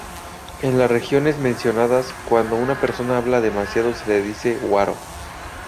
En las regiones mencionadas, cuando una persona habla demasiado se le dice "guaro".